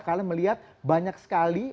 kalian melihat banyak sekali